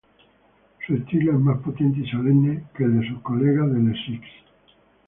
Su estilo es más potente y solemne que el sus colegas de Les Six.